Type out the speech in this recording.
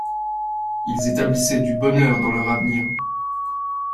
Ils établissaient du bonheur dans leur avenir.